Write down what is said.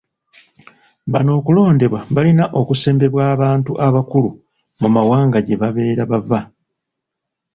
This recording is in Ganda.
Bano okulondebwa balina okusembebwa abantu abakulu mu mawanga gye babeera bava.